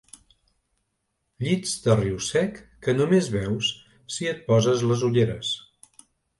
Llits de riu sec que només veus si et poses les ulleres.